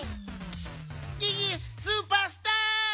ギギスーパースター！